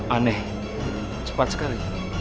aneh cepat sekali